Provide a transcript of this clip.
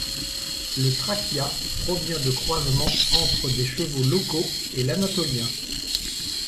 Le Trakya provient de croisements entre des chevaux locaux et l'Anatolien.